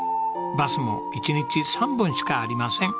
バスも一日３本しかありません。